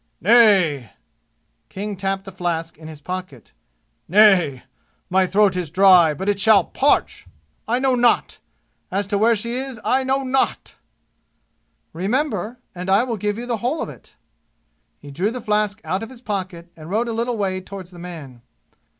"Nay!" King tapped the flask in his pocket. "Nay! My throat is dry, but it shalt parch! I know not! As to where she is, I know not!" "Remember, and I will give you the whole of it!" He drew the flask out of his pocket and rode a little way toward the man.